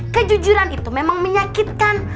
kejujuran itu memang menyakitkan